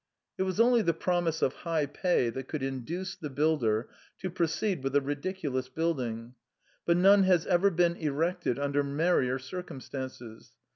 It was only the promise of high pay that could induce the builder to proceed with the ridiculous build ing ; but none has ever been erected under merrier circumstances.